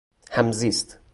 همزیست